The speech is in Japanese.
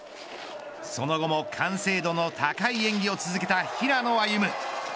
その後も完成度の高い演技を続けた平野歩夢。